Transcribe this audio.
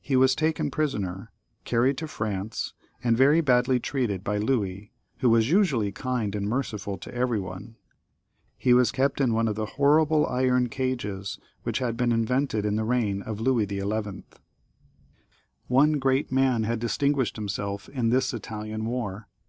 He was taken prisoner, carried to France, and very badly treated by Louis, who was usually kind and merciful to every one. He was kept in one of the horrible iron cages which had been invented in the reign of Louis XI. One great man had distinguished himself in this Italian war.